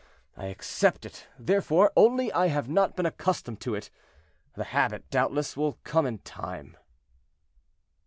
I accept it, therefore, only I have not been accustomed to it. The habit, doubtless, will come in time."